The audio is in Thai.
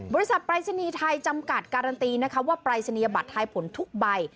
ปรายศนีย์ไทยจำกัดการันตีนะคะว่าปรายศนียบัตรทายผลทุกใบ